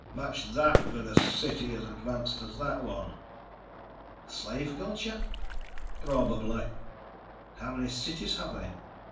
"Match that with a city as advanced as that one." "Slave culture?" "Probably." "How many cities have they?"